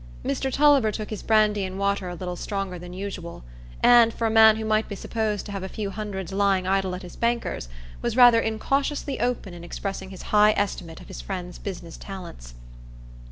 Mr Tulliver took his brandy and water a little stronger than usual, and, for a man who might be supposed to have a few hundreds lying idle at his banker's, was rather incautiously open in expressing his high estimate of his friend's business talents.